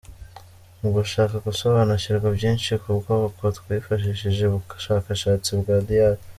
Mu gushaka gusobanukirwa byinshi ku bwonko twifashishije ubushakashatsi bwa Dr.